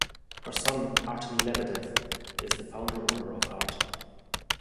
Her son, Artemy Lebedev, is the founder-owner of Art.